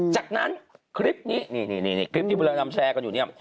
จากนั้นคลิปนี้